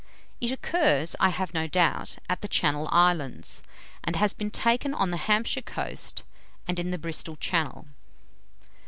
It occurs, I have no doubt, at the Channel Islands, and has been taken on the Hampshire coast, and in the Bristol Channel."